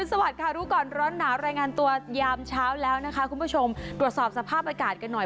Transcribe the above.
สวัสดีค่ะรู้ก่อนร้อนหนาวรายงานตัวยามเช้าแล้วนะคะคุณผู้ชมตรวจสอบสภาพอากาศกันหน่อย